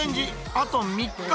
あと３日。